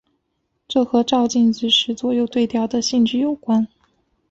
这和照镜子时左右对调的性质有关。